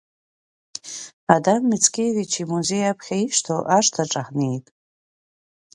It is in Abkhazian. Адам Мицкевич имузеи аԥхьа ишьҭоу ашҭаҿы ҳнеит.